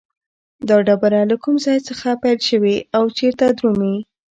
دا ډبره له کوم ځای څخه پیل شوې او چیرته درومي؟